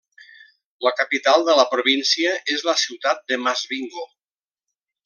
La capital de la província és la ciutat de Masvingo.